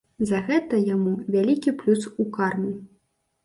За гэта яму вялікі плюс у карму.